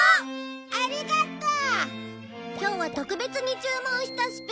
ありがとう！